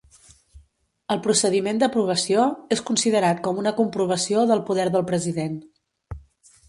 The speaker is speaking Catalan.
El procediment d'aprovació és considerat com una comprovació del poder del president.